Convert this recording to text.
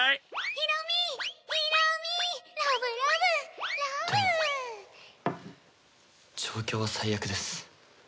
でも状況は最悪です。